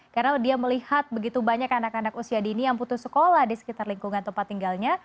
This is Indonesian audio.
karena dia melihat begitu banyak anak anak usia dini yang putus sekolah di sekitar lingkungan tempat tinggalnya